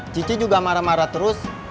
citi juga marah marah terus